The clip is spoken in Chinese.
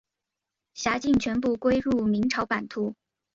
辖境全部归入明朝版图。